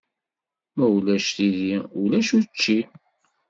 Ma ulac tidi ulac učči.